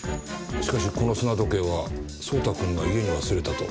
しかしこの砂時計は蒼太くんが家に忘れたと。